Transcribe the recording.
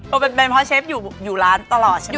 เป็นเพราะเชฟอยู่ร้านตลอดใช่ไหมค